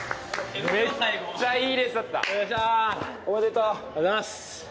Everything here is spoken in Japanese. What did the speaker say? ありがとうございます。